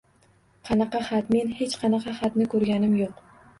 Qanaqa xat, men hech qanaqa xatni koʻrganim yoʻq.